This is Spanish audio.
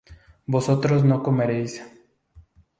vosotros no comeréis